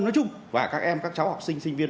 nói chung và các em các cháu học sinh sinh viên